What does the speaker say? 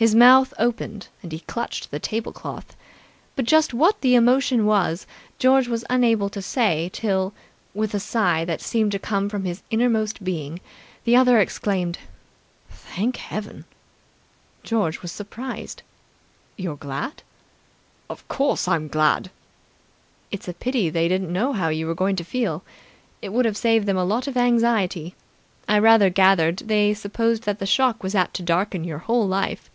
His mouth opened, and he clutched the tablecloth. But just what the emotion was George was unable to say till, with a sigh that seemed to come from his innermost being, the other exclaimed "Thank Heaven!" George was surprised. "You're glad?" "Of course I'm glad!" "It's a pity they didn't know how you were going to feel. It would have saved them a lot of anxiety. I rather gathered they supposed that the shock was apt to darken your whole life."